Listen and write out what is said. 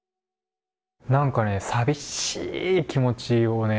何かね寂しい気持ちをね